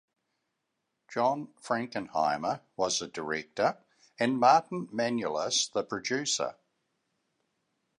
John Frankenheimer was the director and Martin Manulis the producer.